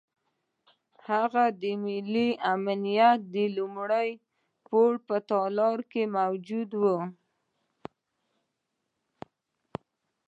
هغه د ملي امنیت د لومړي پوړ په تالار کې موجود وو.